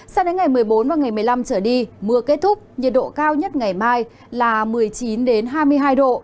sao đến ngày một mươi bốn và ngày một mươi năm trở đi mưa kết thúc nhiệt độ cao nhất ngày mai là một mươi chín hai mươi hai độ